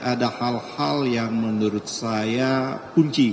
ada hal hal yang menurut saya kunci